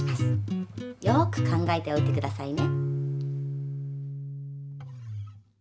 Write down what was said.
よく考えておいて下さいね。